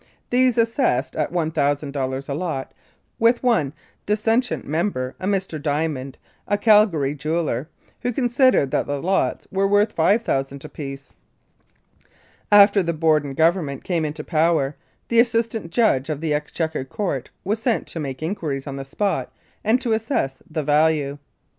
These they assessed at $1,000 a lot, with one dissentient member, a Mr. Diamond, a Calgary jeweller, who considered that the lots were worth $5,000 apiece. After the Borden Government came into power, the Assistant Judge of the Exchequer Court was sent to make inquiries on the spot and to assess the value.